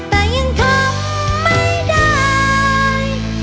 แต่ยังทนไม่ได้